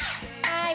はい。